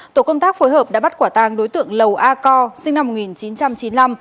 tổ công tác phối hợp đã bắt quả tang đối tượng lầu a co sinh năm một nghìn chín trăm chín mươi năm